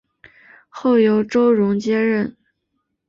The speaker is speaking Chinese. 后由周荣接任。